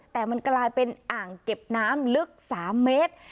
แต่มันกลายเป็นอ่างเก็บน้ำลึก๓เมตร